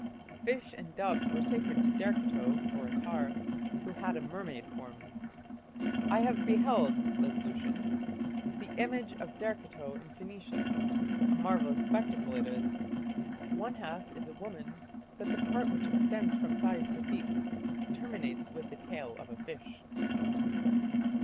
Fish and doves were sacred to Derceto (Attar), who had a mermaid form. "I have beheld", says Lucian, "the image of Derceto in Phoenicia. A marvellous spectacle it is. One half is a woman, but the part which extends from thighs to feet terminates with the tail of a fish."